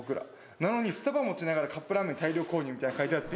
なのにスタバ持ちながら「カップラーメン大量購入」みたいな書いてあって。